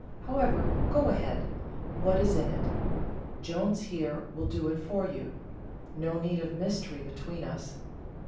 However, go ahead; what is it in? Jones here will do it for you. No need of mystery between us.